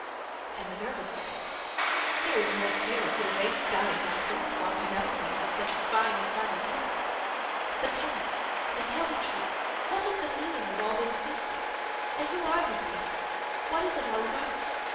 And Minerva said, "There is no fear of your race dying out yet, while Penelope has such a fine son as you are. But tell me, and tell me true, what is the meaning of all this feasting, and who are these people? What is it all about?